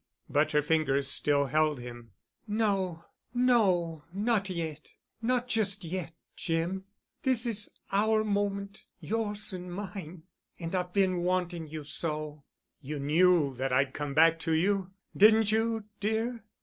But her fingers still held him. "No—no—not yet—not just yet, Jim. This is our moment—yours and mine. And I've been wanting you so——" "You knew that I'd come back to you, didn't you, dear?"